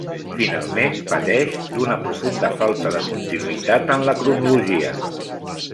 Finalment, pateix d'una profunda falta de continuïtat en la cronologia.